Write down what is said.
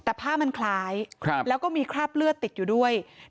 แต่ผ้ามันคล้ายแล้วก็มีคราบเลือดติดอยู่ด้วย